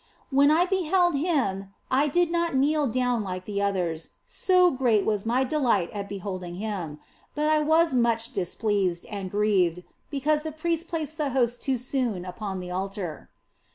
When I beheld Him I did not kneel down like the others, so great was my delight at beholding Him, but I was much displeased and grieved because the priest replaced the Host too soon upon the altar.